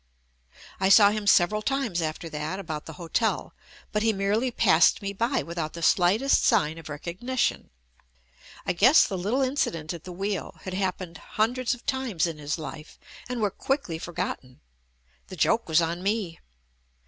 I saw him several times after that about the hotel, but he merely passed me by without the slightest sign of recognition. I guess the little incident at the wheel had happened hundreds of times in his life and were quickly forgotten. The joke was on me!